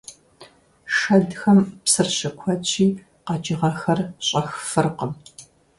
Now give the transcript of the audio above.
Шэдхэм псыр щыкуэдщи, къэкӀыгъэхэр щӀэх фыркъым.